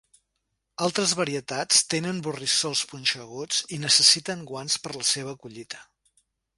Altres varietats tenen borrissols punxeguts i necessiten guants per la seva collita.